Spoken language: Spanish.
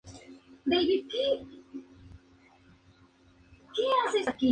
La excavación la realizan ambos sexos y toma alrededor de ocho semanas.